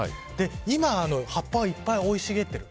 今、葉っぱがいっぱい生い茂っている。